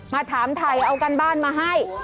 ถามไทยเอาการบ้านมาให้